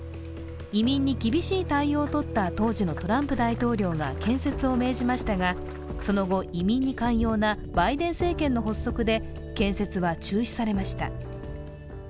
移民に厳しい対応をとった当時のトランプ大統領が建設を命じましたがその後、移民に寛容なバイデン政権の発足で建設は中止されました。